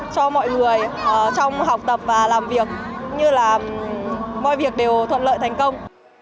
cho mọi người trong học tập và làm việc như là mọi việc đều thuận lợi thành công